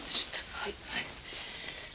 はい。